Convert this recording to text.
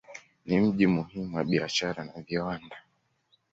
Ni mji muhimu wa biashara na viwanda.